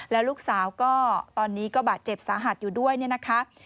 แล้วลูกสาวก็ตอนนี้ก็บาดเจ็บสาหัสอยู่ด้วยเนี่ยนะคะ